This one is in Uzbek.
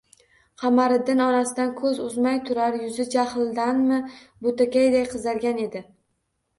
Qamariddin onasidan ko‘z uzmay turar, yuzi, jahldanmi, bo‘takaday qizargan edi